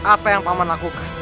apa yang pak oman lakukan